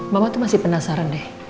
mama tuh masih penasaran deh